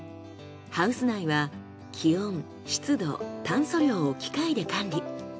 ハウス内は気温湿度炭素量を機械で管理。